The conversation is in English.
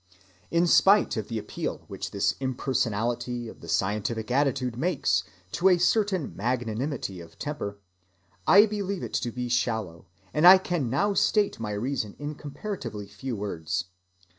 In spite of the appeal which this impersonality of the scientific attitude makes to a certain magnanimity of temper, I believe it to be shallow, and I can now state my reason in comparatively few words.